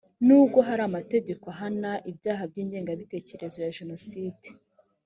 nubwo hari amategeko ahana ibyaha by’ingengabitekerezo ya jenoside